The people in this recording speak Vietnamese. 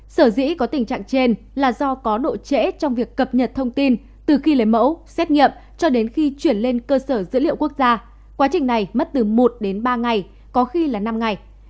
sở dĩ có tình trạng trên là do có độ trễ trong việc cập nhật thông tin từ khi lấy mẫu xét nghiệm cho đến khi chuyển lên cơ sở dữ liệu quốc gia quá trình này mất từ một đến ba ngày có khi là năm ngày